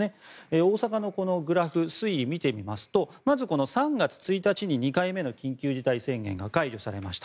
大阪のグラフ推移を見てみますとまずこの３月１日に２回目の緊急事態宣言が解除されました。